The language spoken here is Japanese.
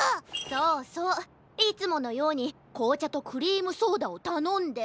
そうそういつものようにこうちゃとクリームソーダをたのんで。